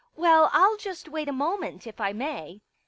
" Well, I'll just wait a moment, if I may."